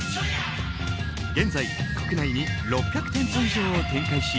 現在国内に６００店舗以上を展開し